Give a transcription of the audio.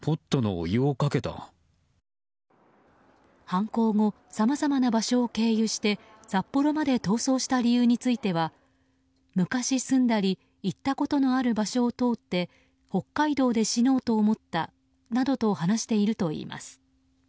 犯行後、さまざまな場所を経由して札幌まで逃走した理由については昔住んだり行ったことのある場所を通って北海道で死のうと思ったなどと話しているといいます。